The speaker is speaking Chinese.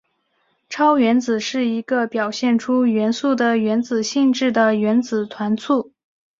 超原子是一个表现出元素的原子性质的原子团簇。